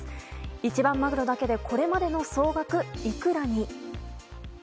一番マグロだけでこれまでの総額、いくらに？